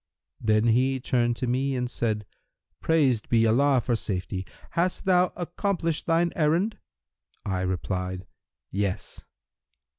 Then he turned to me and said, 'Praised be Allah for safety! Hast thou accomplished thine errand?' I replied, 'Yes!'